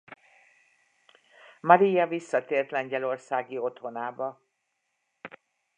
Maria visszatért lengyelországi otthonába.